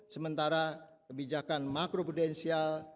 sementara kebijakan makro prudensial